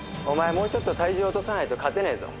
もうちょっと体重落とさないと勝てねえぞ。